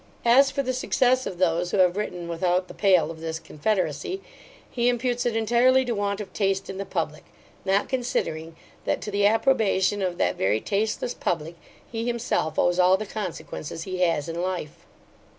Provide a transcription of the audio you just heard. As for the success of those, who have written without the pale of this confederacy, he imputes it entirely to want of taste in the public; not considering, that to the approbation of that very tasteless public, he himself owes all the consequence he has in life.